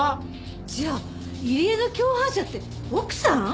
じゃあ入江の共犯者って奥さん！？